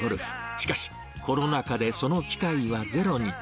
しかし、コロナ禍でその機会はゼロに。